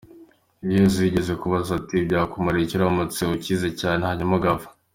Yesu yigeze kubaza ati:"Byakumarira iki uramutse ukize cyane hanyuma ugapfa?".